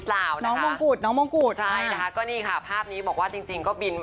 สู้ชีวิตของเราต้องเดินต่อ